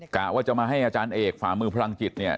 กะว่าจะมาให้อาจารย์เอกฝ่ามือพลังจิตเนี่ย